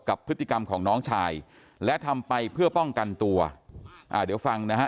กับพฤติกรรมของน้องชายและทำไปเพื่อป้องกันตัวอ่าเดี๋ยวฟังนะฮะ